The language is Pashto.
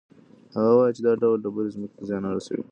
هغه وایي چې دا ډول ډبرې ځمکې ته زیان نه رسوي.